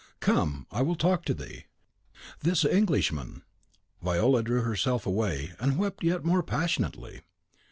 Come, I will talk to thee. This Englishman " Viola drew herself away, and wept yet more passionately.